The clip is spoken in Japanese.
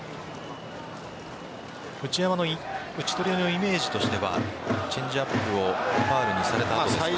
内山の打ち取りのイメージとしてはチェンジアップをファウルにされたんですか？